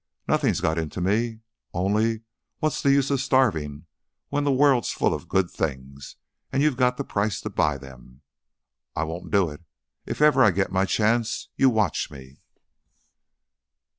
"Nothing's got into me. Only, what's the use of starving when the world's full of good things and you've got the price to buy them? I won't do it. If ever I get my chance, you watch me!"